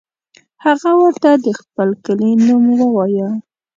هغه ورته د خپل کلي نوم ووایه.